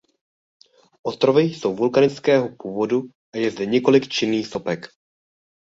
Ostrovy jsou vulkanického původu a je zde několik činných sopek.